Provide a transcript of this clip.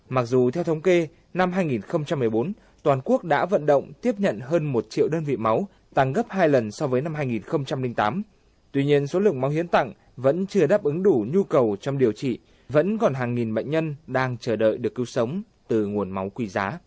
mặc dù theo thống kê năm hai nghìn một mươi bốn toàn quốc đã vận động tiếp nhận hơn một triệu đơn vị máu tăng gấp hai lần so với năm hai nghìn tám tuy nhiên số lượng máu hiến tặng vẫn chưa đáp ứng đủ nhu cầu trong điều trị vẫn còn hàng nghìn bệnh nhân đang chờ đợi được cứu sống từ nguồn máu quý giá